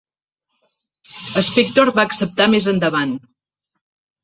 Spector va acceptar més endavant.